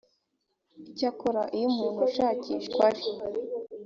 icyakora iyo umuntu ushakishwa ari